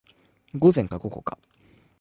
午前か午後か